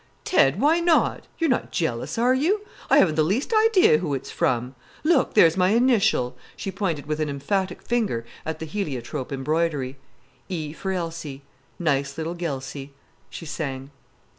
"Ted!—Why not? You're not jealous, are you? I haven't the least idea who it's from. Look—there's my initial"—she pointed with an emphatic finger at the heliotrope embroidery— "E for Elsie, Nice little gelsie," she sang.